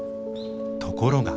ところが。